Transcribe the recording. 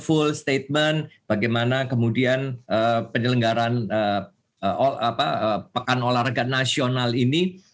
full statement bagaimana kemudian penyelenggaran pekan olahraga nasional ini